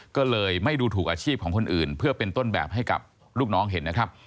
ก็เลยไม่ดูถูกอาชีพของคนอื่นเพื่อเป็นต้นแบบให้กับลูกน้องเห็นนะครับ